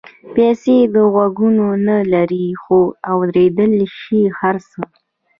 پیسې غوږونه نه لري خو اورېدلای شي هر څه.